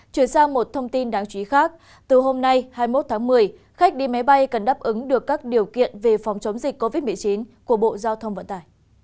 chuyển sang một thông tin đáng chú ý khác từ hôm nay hai mươi một tháng một mươi khách đi máy bay cần đáp ứng được các điều kiện về phòng chống dịch covid một mươi chín của bộ giao thông vận tải